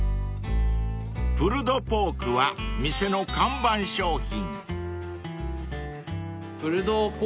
［プルドポークは店の看板商品］